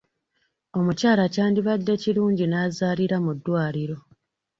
Omukyala kyandibadde kirungi n'azaalira mu ddwaliro.